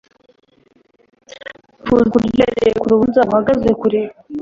Wifuza kurya uhereye ku rubanza uhagaze kure